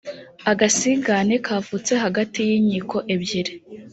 agasigane kavutse hagati y inkiko ebyiri